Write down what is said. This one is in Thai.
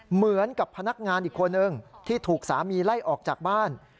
เหมือนกับพนักงานอีกคนนึงที่ถูกสามีไล่ออกจากบ้าน